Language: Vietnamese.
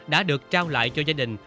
đã được trao lại cho gia đình